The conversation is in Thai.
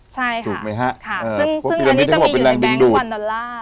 ใช่ค่ะถูกไหมฮะค่ะซึ่งอันนี้จะมีอยู่ในแบงค์วันดอลลาร์